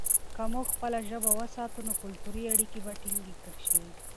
که موږ خپله ژبه وساتو، نو کلتوري اړیکې به ټینګې شي.